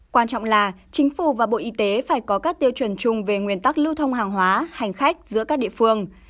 quan trọng là chính phủ và bộ y tế phải có các tiêu chuẩn chung về nguyên tắc lưu thông hàng hóa hành khách giữa các địa phương